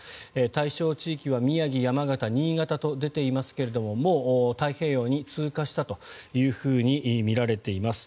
対象地域は宮城、山形、新潟と出ていますがもう太平洋に通過したというふうにみられています。